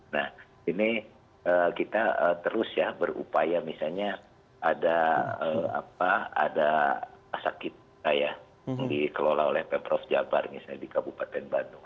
nah ini kita terus ya berupaya misalnya ada sakit yang dikelola oleh pemprov jabar misalnya di kabupaten bandung